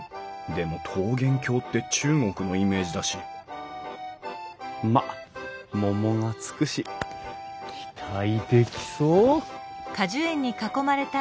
でも桃源郷って中国のイメージだしまっ「桃」が付くし期待できそう！